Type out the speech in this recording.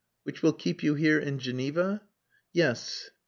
"Which will keep you here in Geneva?" "Yes.